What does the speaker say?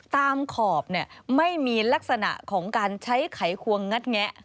ขอบไม่มีลักษณะของการใช้ไขควงงัดแงะ